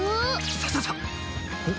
さささっ。